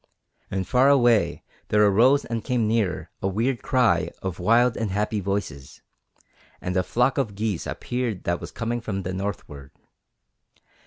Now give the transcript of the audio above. And far away there arose and came nearer the weird cry of wild and happy voices, and a flock of geese appeared that was coming from the northward.